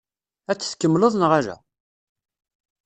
Ad t-tkemmleḍ neɣ ala?